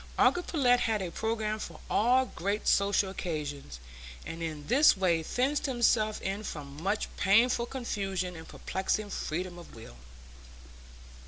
Uncle Pullet had a programme for all great social occasions, and in this way fenced himself in from much painful confusion and perplexing freedom of will.